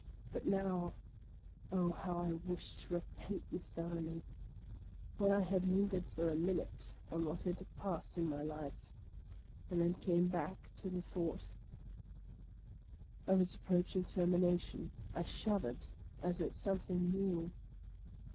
But now, oh, how I wish to repent me thoroughly ! When I had lingered for a minute on what had passed in my life, and then came back to the thought of its approaching termination, I shuddered as at something new.